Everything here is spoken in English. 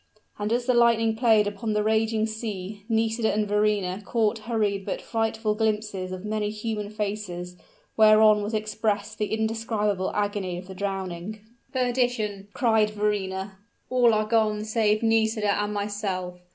And as the lightning played upon the raging sea, Nisida and Verrina caught hurried but frightful glimpses of many human faces, whereon was expressed the indescribable agony of the drowning. "Perdition!" cried Verrina; "all are gone save Nisida and myself!